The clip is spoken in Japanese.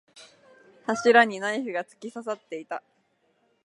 柱にナイフが突き刺さっていた。